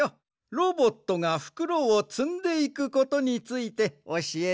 ロボットがふくろをつんでいくことについておしえてくれ。